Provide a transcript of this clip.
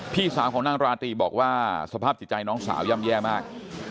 พี่สาวของนางราตรีบอกว่าสภาพจิตใจน้องสาวย่ำแย่มาก